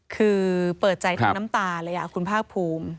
คือเปิดใจทั้งน้ำตาเลยคุณภาคภูมิ